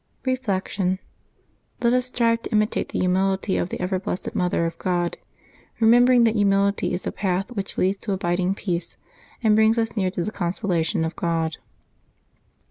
Reflection. — Let us strive to imitate the humility of the ever blessed Mother of God, remembering that humility is the path which leads to abiding peace and brings U3 near to the consolations of God.